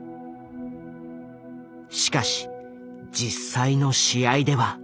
しかし実際の試合では。